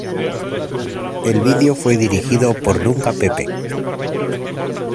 El vídeo fue dirigido por Nunca Pepe.